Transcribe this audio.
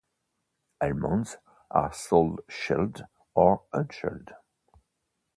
Almonds are sold shelled or unshelled.